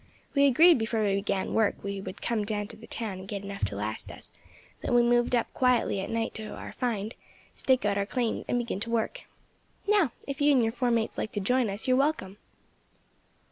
We agreed before we began work we would come down to the town and get enough to last us, then we would move up quietly at night to our find, stake out our claims, and begin to work. Now if you and your four mates likes to join us, you are welcome."